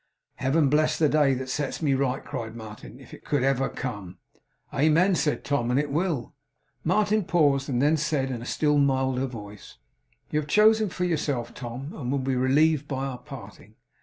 'Heaven bless the day that sets me right!' cried Martin, 'if it could ever come!' 'Amen!' said Tom. 'And it will!' Martin paused, and then said in a still milder voice: 'You have chosen for yourself, Tom, and will be relieved by our parting.